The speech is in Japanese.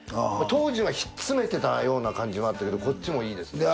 当時はひっつめてたような感じはあったけどこっちもいいです。